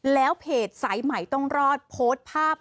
แล้วเพจสายใหม่ต้องรอดโพสต์ภาพ